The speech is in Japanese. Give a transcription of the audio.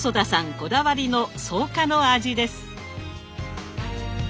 こだわりの草加の味です。